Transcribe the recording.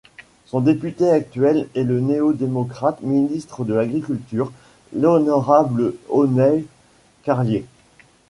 Son député actuel est le néo-démocrate ministre de l'agriculture, l'honorable Oneil Carlier.